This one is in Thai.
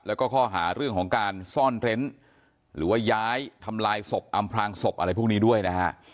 แล้วก็ข้อหาเรื่องของการซ่อนเร้นหรือว่าย้ายทำลายศพอำพลางศพอะไรพวกนี้ด้วยนะฮะ